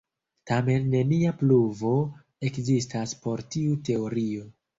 Tamen nenia pruvo ekzistas por tiu teorio.